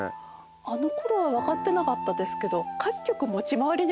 あのころは分かってなかったですけど。